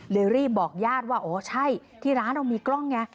รีบบอกญาติว่าอ๋อใช่ที่ร้านเรามีกล้องไง